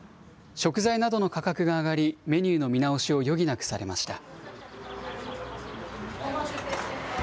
食材などの価格が上がり、メニューの見直しを余儀なくされました。